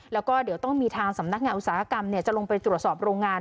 แล้วก็เดี๋ยวต้องมีทางสำนักงานอุตสาหกรรมจะลงไปตรวจสอบโรงงาน